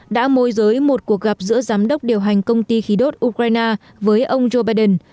đã môi giới một cuộc gặp giữa giám đốc điều hành công ty khí đốt ukraine với ông joe biden